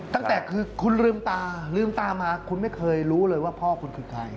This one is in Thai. ตั้งแต่คือคุณลืมตาลืมตามาคุณไม่เคยรู้เลยว่าพ่อคุณคือใคร